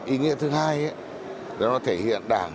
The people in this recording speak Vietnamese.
ý nghĩa thứ hai nó thể hiện đảng